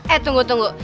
eh tunggu tunggu